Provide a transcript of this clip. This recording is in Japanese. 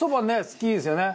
好きですよね。